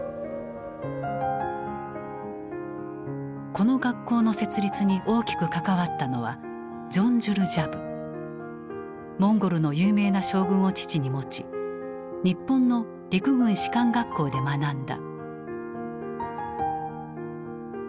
この学校の設立に大きく関わったのはモンゴルの有名な将軍を父に持ち日本の陸軍士官学校で学んだ。